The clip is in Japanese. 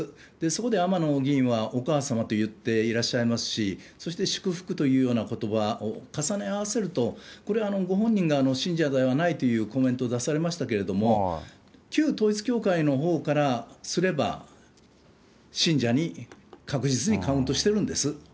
そこで天野議員はお母様と言っていらっしゃいますし、そして祝福というようなことばを重ね合わせると、これ、ご本人が信者ではないというコメントを出されましたけど、旧統一教会のほうからすれば、信者に確実にカウントしてるんです。